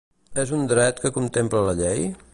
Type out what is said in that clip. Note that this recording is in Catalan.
És un dret que contempla la llei?